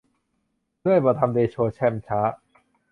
เลื้อยบ่ทำเดโช แช่มช้า